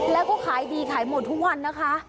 แล้วก็ขายดีขายหมดทุกวันนะคะ